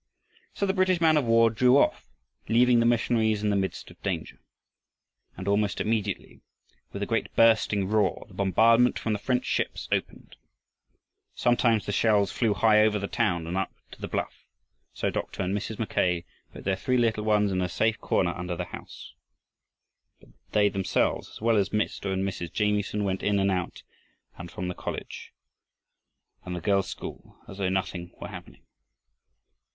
So the British man of war drew off, leaving the missionaries in the midst of danger. And almost immediately, with a great bursting roar, the bombardment from the French ships opened. Sometimes the shells flew high over the town and up to the bluff, so Dr. and Mrs. Mackay put their three little ones in a safe corner under the house; but they themselves as well as Mr. and Mrs. Jamieson, went in and out to and from the college, and the girls' school as though nothing were happening.